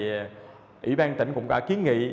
ủy ban tỉnh cũng đã kiến nghị